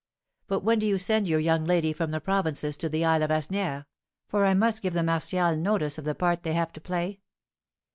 But when do you send your young lady from the provinces to the isle of Asnières, for I must give the Martials notice of the part they have to play?'